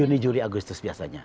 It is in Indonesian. juni juli agustus biasanya